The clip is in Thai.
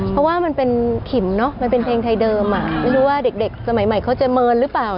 เพราะว่ามันเป็นขิมเนอะมันเป็นเพลงไทยเดิมอ่ะไม่รู้ว่าเด็กสมัยใหม่เขาจะเมินหรือเปล่า